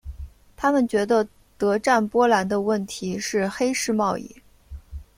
他们觉得德占波兰的问题是黑市贸易。